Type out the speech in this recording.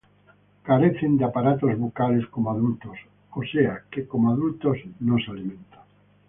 Carecen de aparatos bucales como adultos, o sea que como adultos no se alimentan.